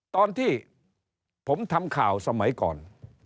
ตอนที่ผมทำข่าวสมัยก่อน